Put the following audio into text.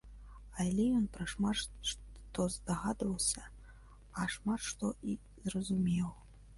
Але ён пра шмат што здагадваўся, а шмат што і зразумеў.